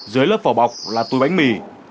dưới lớp vỏ bọc là túi bánh mì